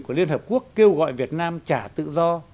của liên hợp quốc kêu gọi việt nam trả tự do